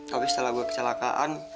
tapi setelah gue kecelakaan